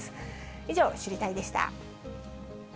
以上、知りたいッ！でした。